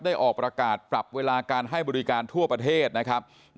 ออกประกาศปรับเวลาการให้บริการทั่วประเทศนะครับ